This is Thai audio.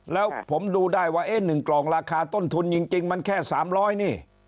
แล้วผมดูได้ว่า๑กล่องราคาต้นทุนจริงมันแค่๓๐๐นี่